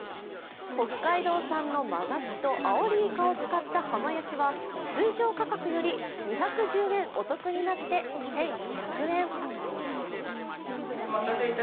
北海道産の真がきとアオリイカを使った浜焼きは通常価格より２１０円お得になって、１１００円。